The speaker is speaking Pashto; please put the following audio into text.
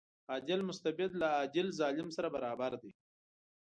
عادل مستبد له عادل ظالم سره برابر دی.